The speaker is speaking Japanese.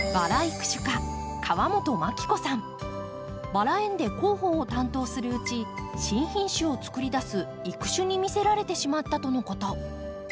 バラ園で広報を担当するうち新品種をつくり出す育種に魅せられてしまったとのこと。